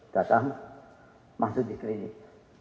datang masuk di klinik